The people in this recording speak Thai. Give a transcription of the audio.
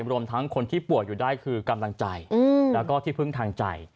รวมทั้งคนที่ป่วยอยู่ได้คือกำลังใจแล้วก็ที่พึ่งทางใจ